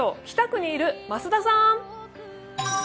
北区にいる増田さん！